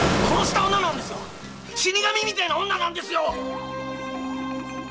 死神みたいな女なんですよ！